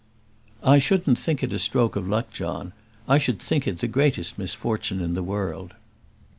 "I shouldn't think it a stroke of luck, John. I should think it the greatest misfortune in the world."